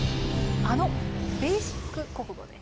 あの「ベーシック国語」です。